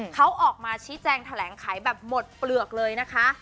เขาออกมาชี้แจงแถลงไขแบบหมดเปลือกเลยนะคะ